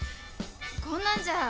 こんなんじゃ